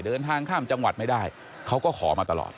เดินทางข้ามจังหวัดไม่ได้เขาก็ขอมาตลอด